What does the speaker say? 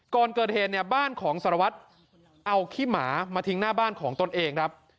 ก่อนเกิดเห็นบ้านของสารวัฒน์เอาขี้หมามาทิ้งหน้าบ้านของตนเอง